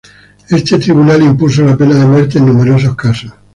Este tribunal impuso la pena de muerte en numerosos casos.